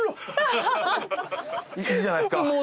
いいじゃないですか。